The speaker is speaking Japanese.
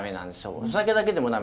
お酒だけでも駄目。